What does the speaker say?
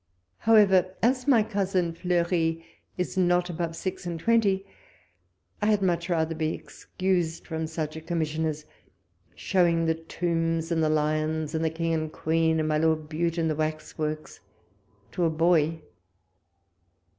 How ever, as my cousin Fleury is not above six and twenty, I had much rather be excused from such a commission as showing the Tombs and tlie Lions, and the King and Queen, and my Lord Bute, and the Waxwork, to a boy.